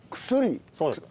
薬？